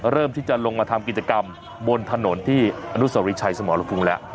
เริ่มที่จะลงมาทำกิจกรรมบนถนนที่อนุสริชัยสมรภูมิแล้ว